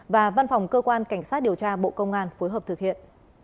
và văn phòng cơ quan cảnh sát điều tra bộ công an phối hợp thực hiện